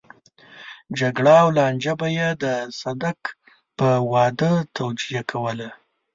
جګړه او لانجه به يې د صدک په واده توجيه کوله.